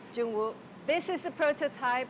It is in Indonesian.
jung woo ini adalah prototipe